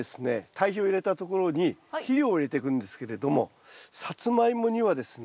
堆肥を入れたところに肥料を入れていくんですけれどもサツマイモにはですね